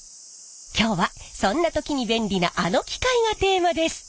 今日はそんな時に便利なあの機械がテーマです。